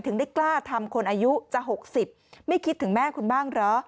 ถึงได้กล้าทำคนอายุจะ๖๐ไม่คิดถึงแม่คุณบ้างเหรอ